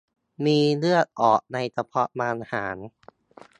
มีเลือดออกในกระเพาะอาหาร